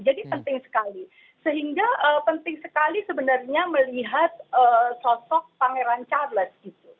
jadi penting sekali sehingga penting sekali sebenarnya melihat sosok pangeran charles